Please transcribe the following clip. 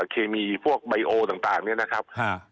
เคมีบัยโอต่างเนี่ยครับ